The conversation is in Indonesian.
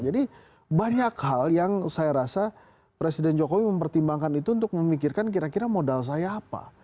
jadi banyak hal yang saya rasa presiden jokowi mempertimbangkan itu untuk memikirkan kira kira modal saya apa